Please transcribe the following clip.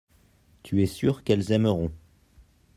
tu es sûr qu'elles aimeront.